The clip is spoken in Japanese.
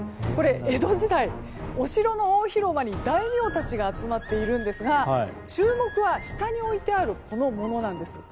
江戸時代、お城の大広間に大名たちが集まっているんですが注目は下に置いてあるこの物なんです。